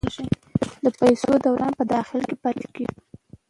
د پیسو دوران په داخل کې پاتې کیږي؟